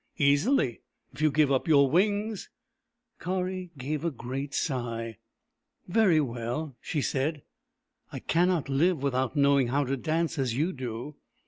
" Easily, if you give up your wings." Kari gave a great sigh. 76 THE EMU WHO WOULD DANCE " Very well," she said. " I cannot live without knowing how to dance as you do."